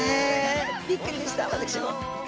びっくりでした私も。